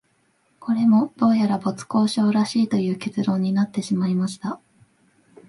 これも、どうやら没交渉らしいという結論になってしまいました